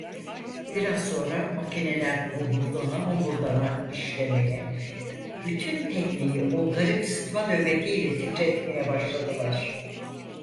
Biraz sonra makineler homurdana homurdana işlemeye, bütün tekneyi o garip sıtma nöbetiyle titretmeye başladılar.